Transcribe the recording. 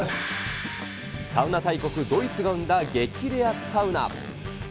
サウナ大国、ドイツが生んだ激レアサウナ。